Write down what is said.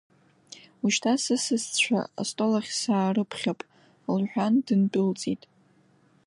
Ушьҭа сысасцәа астол ахь саарыԥхьап, — лҳәан дындәылҵит.